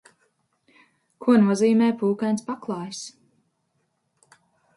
Ko nozīmē pūkains paklājs?